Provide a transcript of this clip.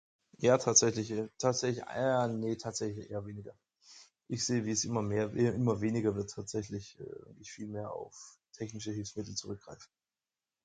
Ja tatsächlich eh. Tatsächlich [unintelligible] ne tatsächlich eher weniger. Ich sehe wie immer mehr eh immer weniger wird tatsächlich eh. Viel mehr auf technische Hilfsmittel zurückgreifen.